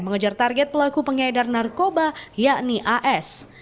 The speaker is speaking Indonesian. mengejar target pelaku pengedar narkoba yakni as